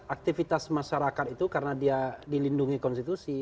aktivitas masyarakat itu karena dia dilindungi konstitusi